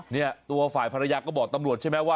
เนี่ยตัวฝ่ายภรรยาก็บอกตำรวจใช่ไหมว่า